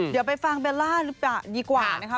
เดี๋ยวไปฟังเบลล่าดีกว่านะครับ